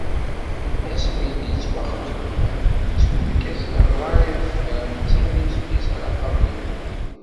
Asmi i d-yettwaxleq lmal, yettunefk-asen rray ad xtiren ttawil swayes ara qablen ddunit.